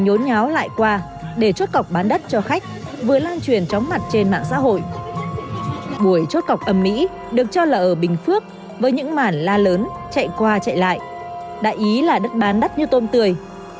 buổi chốt cọc âm mỹ được cho là ở bình phước với những mảng la lớn chạy qua chạy lại đại ý là đất bán đất như tôm tươi